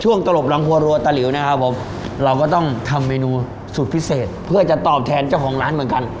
ตลบหลังครัวรัวตะหลิวนะครับผมเราก็ต้องทำเมนูสุดพิเศษเพื่อจะตอบแทนเจ้าของร้านเหมือนกัน